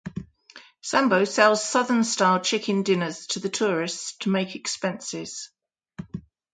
Sambo sells Southern style chicken dinners to the tourists to make expenses.